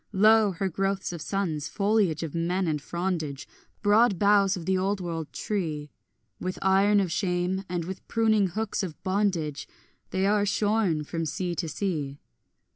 Lo her growths of sons, foliage of men and frondage, Broad boughs of the old world tree, With iron of shame and with pruning hooks of bondage They are shorn from sea to sea.